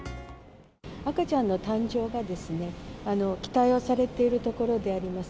赤ちゃんの誕生が期待をされているところであります。